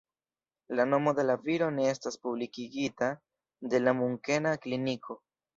La nomo de la viro ne estas publikigita de la Munkena kliniko.